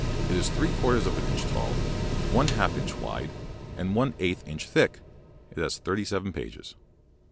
It is three quarters of an inch tall, one half inch wide, and one eighth inch thick. It has thirty seven pages.